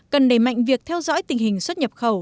cần đẩy mạnh việc theo dõi tình hình xuất nhập khẩu